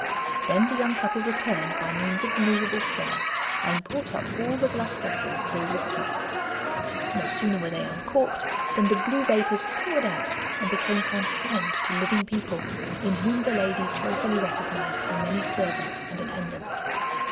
Then the young couple returned by means of the movable stone, and brought up all the glass vessels filled with smoke. No sooner were they uncorked than the blue vapours poured out and became transformed to living people, in whom the lady joyfully recognised her many servants and attendants.